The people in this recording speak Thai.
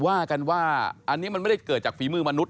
ว่ากันว่าอันนี้มันไม่ได้เกิดจากฝีมือมนุษ